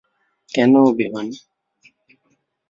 কেন, অভিমান?